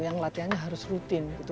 yang latihannya harus rutin gitu